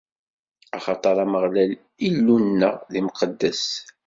Axaṭer Ameɣlal, Illu-nneɣ, d imqeddes!